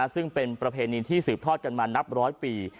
ซึ่งเป็นประเพณีที่สืบทอดกันมานับร้อยปี